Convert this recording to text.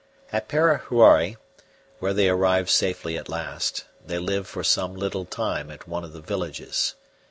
At Parahuari, where they arrived safely at last, they lived for some little time at one of the villages.